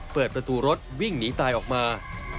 เปิดประตูรถวิ่งหนีตายออกมา